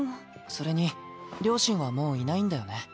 それに両親はもういないんだよね？